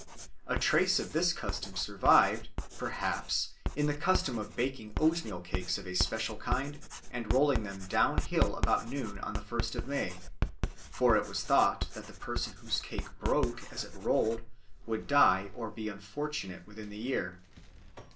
A trace of this custom survived, perhaps, in the custom of baking oatmeal cakes of a special kind and rolling them down hill about noon on the first of May; for it was thought that the person whose cake broke as it rolled would die or be unfortunate within the year.